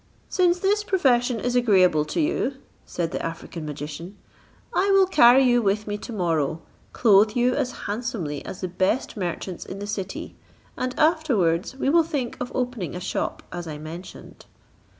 "Since this profession is agreeable to you," said the African magician, "I will carry you with me to morrow, clothe you as handsomely as the best merchants in the city, and afterwards we will think of opening a shop as I mentioned."